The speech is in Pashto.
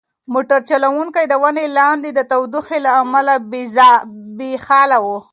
موټر چلونکی د ونې لاندې د تودوخې له امله بې حاله و.